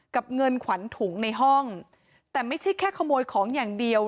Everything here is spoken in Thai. เงินขวัญถุงในห้องแต่ไม่ใช่แค่ขโมยของอย่างเดียว